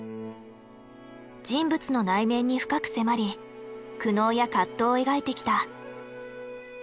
人物の内面に深く迫り苦悩や葛藤を描いてきた。